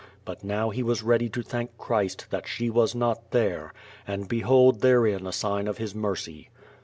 But now ho was ready to thank Christ, that she was not there, and bohold tlierein a sign of His mercy.